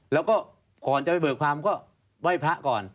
แล้วก็ก่อนจะไปเบิกความก็ไหว้พระก่อน